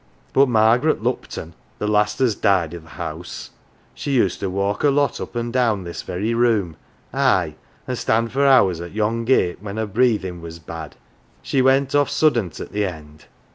But Margaret Lupton, the last as died i' th' house, she used to walk a lot up an' down this very room aye an" 1 stand for hours at yon gate when her breathin' was bad she went oft* suddent at the end.